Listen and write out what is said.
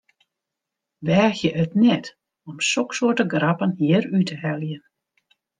Weagje it net om soksoarte grappen hjir út te heljen!